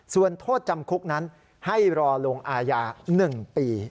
ส่วนโทษจำคุกนั้นให้รอลงอาญา๑ปี